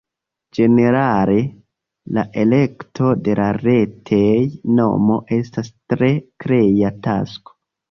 Ĝenerale, la elekto de la retej-nomo estas tre krea tasko.